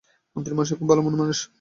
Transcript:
মন্ত্রী মশাই খুব ভালো মনের মানুষ।